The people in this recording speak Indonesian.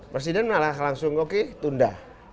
presiden langsung oke tunda